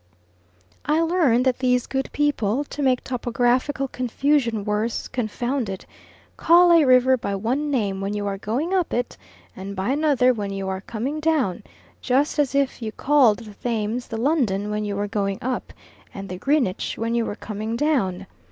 I learn that these good people, to make topographical confusion worse confounded, call a river by one name when you are going up it, and by another when you are coming down; just as if you called the Thames the London when you were going up, and the Greenwich when you were coming down.